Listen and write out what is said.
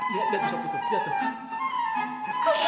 lihat tuh sofi lihat tuh